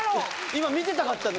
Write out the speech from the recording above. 今見てたかったんで。